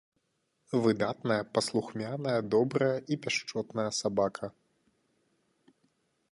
Выдатная паслухмяная, добрая і пяшчотная сабака.